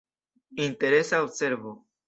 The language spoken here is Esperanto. Interesa observo.